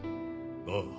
ああ。